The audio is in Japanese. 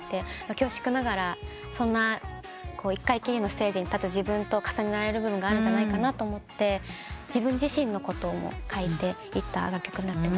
恐縮ながらそんな一回きりのステージに立つ自分と重ねられる部分があるんじゃないかと思って自分自身のことも書いていった楽曲になってます。